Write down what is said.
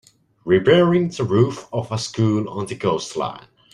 Repairing the roof of a school on the coastline